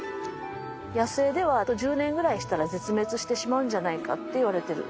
野生ではあと１０年ぐらいしたら絶滅してしまうんじゃないかっていわれてる。